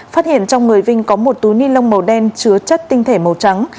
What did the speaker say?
phát hiện trong người vinh có một túi ni lông màu đen chứa chất tinh thể màu trắng